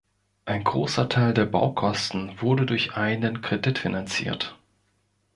Ein großer Teil der Baukosten wurde durch einen Kredit finanziert.